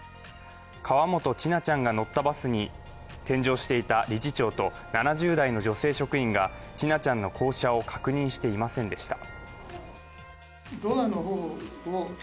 河本千奈ちゃんが乗ったバスに添乗していた理事長と７０代の女性職員が千奈ちゃんの降車を確認していませんでした。